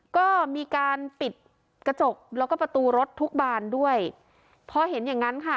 ก็มีการปิดกระจกแล้วก็ประตูรถทุกบานด้วยพอเห็นอย่างงั้นค่ะ